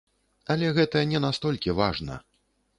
Але гэта не настолькі важна.